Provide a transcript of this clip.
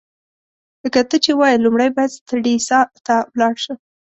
لکه ته چي وايې، لومړی باید سټریسا ته ولاړ شم.